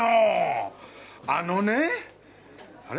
あのねあれ？